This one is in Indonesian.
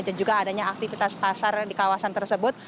dan juga adanya aktivitas pasar di kawasan tersebut